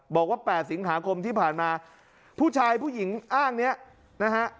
บอกว่า๘สิงหาคมที่ผ่านมาผู้ชายผู้หญิงอ้างนี้นะฮะ